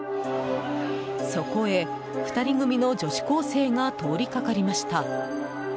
そこへ、２人組の女子高生が通りかかりました。